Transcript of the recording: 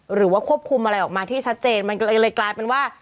หรือว่าควบคุมอะไรออกมาที่ชัดเจนมันก็เลยกลายเป็นว่า